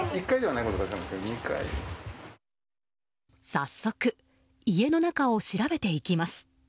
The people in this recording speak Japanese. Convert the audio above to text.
早速、家の中を調べていきます。